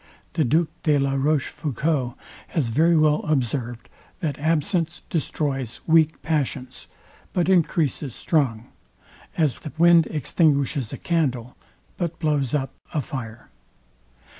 The Duc de La Rochefoucault has very well observed, that absence destroys weak passions, but encreases strong; as the wind extinguishes a candle, but blows up a fire.